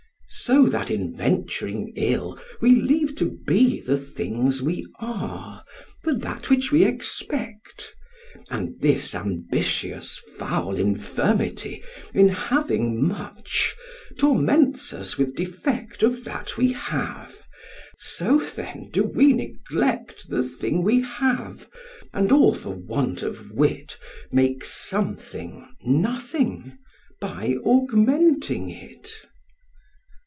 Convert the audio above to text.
So that in venturing ill we leave to be The things we are for that which we expect; And this ambitious foul infirmity, In having much, torments us with defect Of that we have: so then we do neglect The thing we have; and, all for want of wit, Make something nothing by augmenting it.